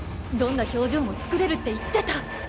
どんな表情も作れるって言ってた！